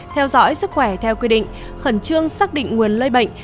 theo dõi sức khỏe theo quy định khẩn trương xác định nguồn lây bệnh